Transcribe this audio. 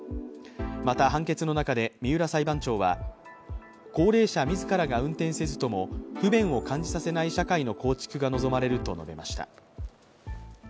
また、判決の中で三浦裁判長は高齢者自らが運転せずとも不便を感じさせない社会の構築が望まれると述べました。